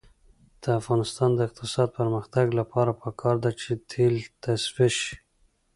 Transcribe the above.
د افغانستان د اقتصادي پرمختګ لپاره پکار ده چې تیل تصفیه شي.